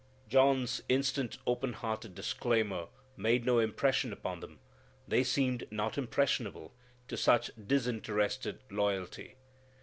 John's instant open hearted disclaimer made no impression upon them. They seemed not impressionable to such disinterested loyalty.